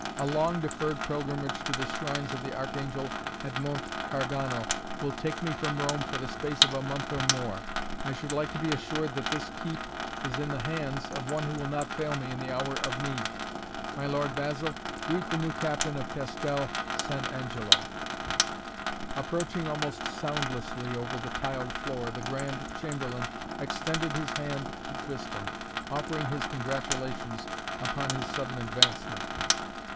"A long deferred pilgrimage to the shrines of the Archangel at Monte Gargano will take me from Rome for the space of a month or more. I should like to be assured that this keep is in the hands of one who will not fail me in the hour of need! My Lord Basil greet the new captain of Castel San Angelo " Approaching almost soundlessly over the tiled floor, the Grand Chamberlain extended his hand to Tristan, offering his congratulations upon his sudden advancement.